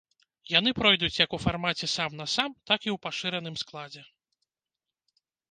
Яны пройдуць як у фармаце сам-насам, так і ў пашыраным складзе.